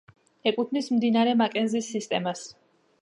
ეკუთვნის მდინარე მაკენზის სისტემას.